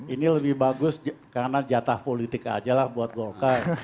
ini lebih bagus karena jatah politik aja lah buat golkar